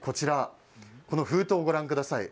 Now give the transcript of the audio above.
封筒をご覧ください。